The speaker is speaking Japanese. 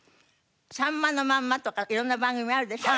『さんまのまんま』とか色んな番組あるでしょう？